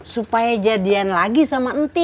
supaya jadian lagi sama enti